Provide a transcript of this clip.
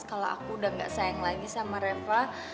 kalau aku udah gak sayang lagi sama reva